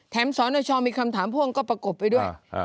แถมที่สำหรับช่องมีคำถามพวกมันก็ประกบไปด้วย